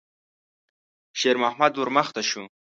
شېرمحمد ور مخته شو.